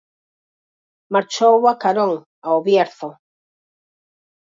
Marchou a carón, ao Bierzo.